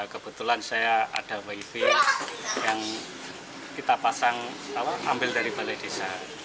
kebetulan saya ada wib yang kita pasang ambil dari balai desa